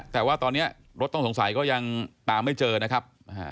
แต่ว่าตอนนี้รถต้องสงสัยก็ยังตามไม่เจอนะครับ